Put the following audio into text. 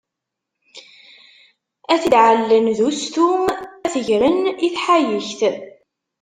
Ad t-id-ɛellen d ustu, ad t-gren i tḥayekt.